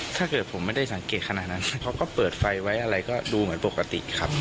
ถ้าเกิดผมไม่ได้สังเกตขนาดนั้นเขาก็เปิดไฟไว้อะไรก็ดูเหมือนปกติครับ